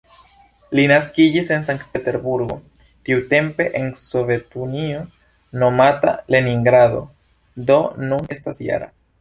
Li naskiĝis en Sankt-Peterburgo, tiutempe en Sovetunio nomata "Leningrado", do nun estas -jara.